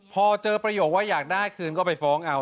พอเจอประโยคว่าอยากได้คืนก็ไปฟ้องเอา